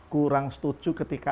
kurang setuju ketika